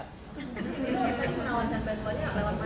tadi menawarkan bank loannya lewat mana